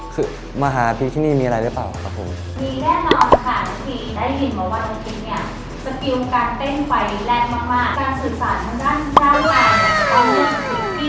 คือมาหาพี่ที่นี่มีอะไรหรือเปล่าครับผมมีแน่นอนค่ะทีนี้ได้ยินว่าวันนี้เนี่ย